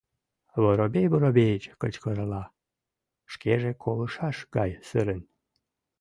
— Воробей Воробеич кычкырла, шкеже колышаш гай сырен.